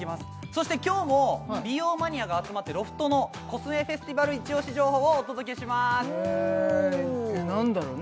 そして今日も美容マニアが集まってロフトのコスメフェスティバルイチオシ情報をお届けしまーす何だろう？